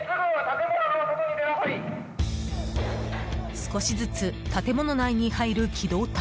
少しずつ建物内に入る機動隊。